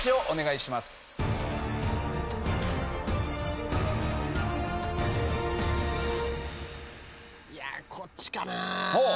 いやこっちかなぁ。